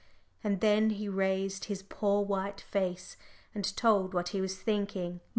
And then he raised his poor white face, and told what he was thinking.